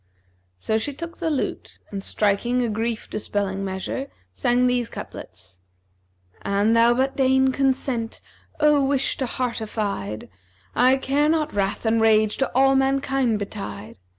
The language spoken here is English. So she took the lute and striking a grief dispelling measure, sang these couplets, 'An thou but deign consent, O wish to heart affied! * I care not wrath and rage to all mankind betide.